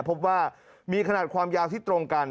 พบว่ามีขนาดความยาวที่ตรงกัน